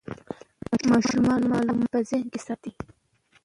ماشومان معلومات په ذهن کې ساتي.